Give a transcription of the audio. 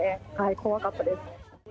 怖かったです。